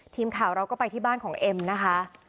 ทีมข่าวเราก็ไปที่บ้านของเอ็มนะคะ